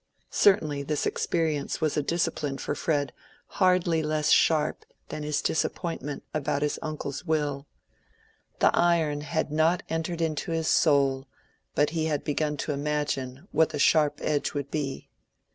Certainly this experience was a discipline for Fred hardly less sharp than his disappointment about his uncle's will. The iron had not entered into his soul, but he had begun to imagine what the sharp edge would be.